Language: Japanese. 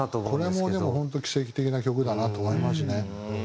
これもでも本当奇跡的な曲だなと思いますね。